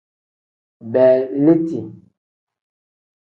Beeliti.